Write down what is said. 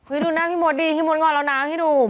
อุ๊ยดูหน้างพี่มดดีพี่มดง่อนแล้วนะพี่โดม